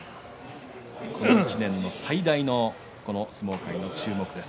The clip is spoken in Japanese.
この１年の最大の相撲界の注目です。